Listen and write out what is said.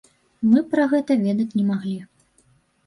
Мы пра гэта ведаць не маглі.